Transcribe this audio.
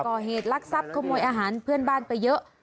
ก่อเหตุลักษัพขโมยอาหารเพื่อนบ้านไปเยอะ